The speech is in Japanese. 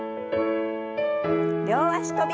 両脚跳び。